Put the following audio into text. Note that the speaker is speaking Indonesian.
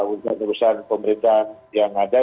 usaha terusan pemerintahan yang ada